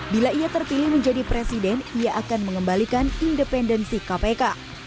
bila ia terpilih menjadi presiden ia akan mengembalikan independensi kpk